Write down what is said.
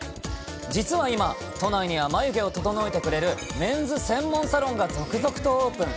実は今、都内には眉毛を整えてくれる、メンズ専門サロンが続々とオープン。